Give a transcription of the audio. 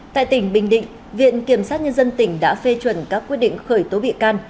tại tỉnh bình định viện kiểm sát nhân dân tỉnh đã phê chuẩn các quyết định khởi tố bị can